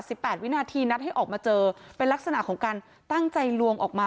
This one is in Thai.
แปดวินาทีนัดให้ออกมาเจอเป็นลักษณะของการตั้งใจลวงออกมา